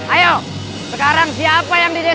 ayo sekarang siapa yang di desanya